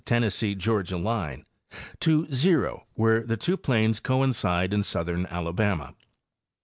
Tennessee Georgia line to 0 where the two plains coincide in southern Alabama.